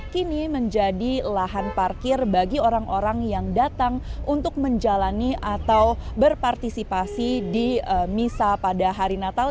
kini menjadi lahan parkir bagi orang orang yang datang untuk menjalani atau berpartisipasi di misa pada hari natal